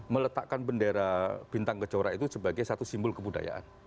meletakkan bendera bintang kejora itu sebagai satu simbol kebudayaan